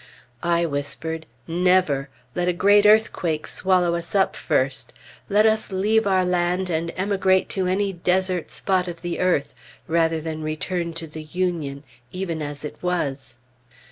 I whispered, "Never! Let a great earthquake swallow us up first! Let us leave our land and emigrate to any desert spot of the earth, rather than return to the Union, even as it Was!"